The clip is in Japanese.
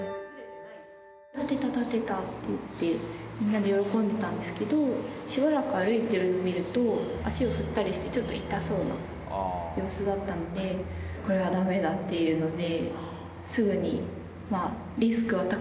立てた立てたと言ってみんなで喜んでたんですけどしばらく歩いてるのを見ると脚を振ったりしてちょっと痛そうな様子だったのでこれは駄目だっていうので。